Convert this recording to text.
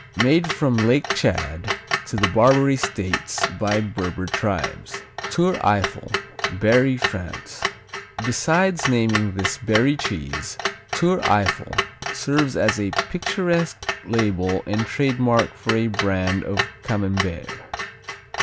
Made from Lake Tchad to the Barbary States by Berber tribes. Tour Eiffel Berry, France Besides naming this Berry cheese, Tour Eiffel serves as a picturesque label and trademark for a brand of Camembert.